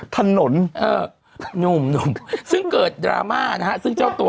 ถนน